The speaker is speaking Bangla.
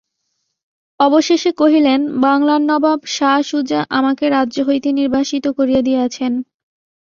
অবেশেষে কহিলেন, বাংলার নবাব শা সুজা আমাকে রাজ্য হইতে নির্বাসিত করিয়া দিয়াছেন।